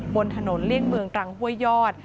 บนถนนเลี่ยงเมืองตรังห้วยยอด